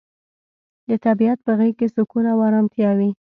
د طبیعت په غیږ کې سکون او ارامتیا وي.